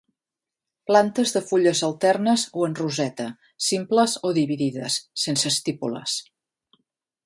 Plantes de fulles alternes o en roseta, simples o dividides, sense estípules